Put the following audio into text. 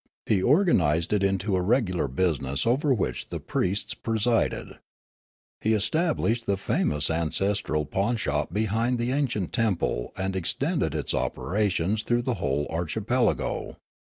He organised it into a regular business over which the priests presided. He estab lished the famous ancestral pawnshop behind the an cient temple and extended its operations through the whole archipelago.